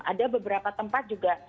ada beberapa tempat juga